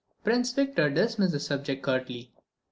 Prince Victor dismissed the subject curtly.